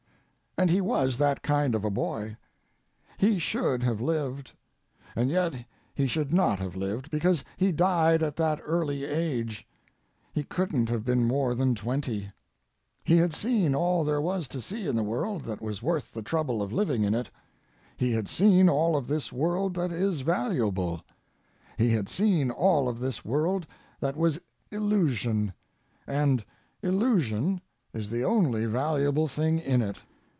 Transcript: And he was that kind of a boy. He should have lived, and yet he should not have lived, because he died at that early age—he couldn't have been more than twenty—he had seen all there was to see in the world that was worth the trouble of living in it; he had seen all of this world that is valuable; he had seen all of this world that was illusion, and illusion, is the only valuable thing in it.